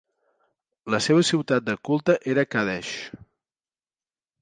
La seva ciutat de culte era Qadesh.